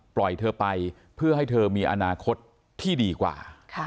เธอไปเพื่อให้เธอมีอนาคตที่ดีกว่า